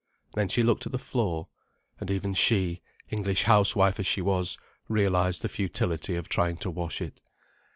Then she looked at the floor. And even she, English housewife as she was, realized the futility of trying to wash it.